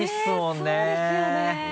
ねぇそうですよね。